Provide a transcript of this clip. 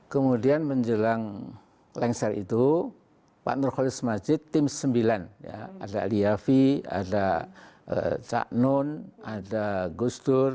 kemudian menjelang lengser itu pak nurkholis masjid tim sembilan ada liafi ada cak nun ada gustur